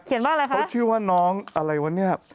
เขาชื่อว่าน้องอะไรวะนี่